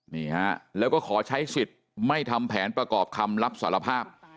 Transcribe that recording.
นี่ฮะแล้วก็ขอใช้สิทธิ์ไม่ทำแผนประกอบคำรับสารภาพ